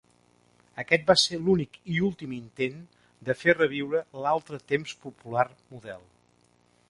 Aquest va ser l'únic i últim intent de fer reviure l'altre temps popular model.